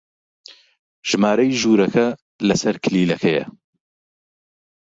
ژمارەی ژوورەکە لەسەر کلیلەکەیە.